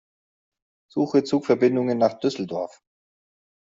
Suche Zugverbindungen nach Düsseldorf.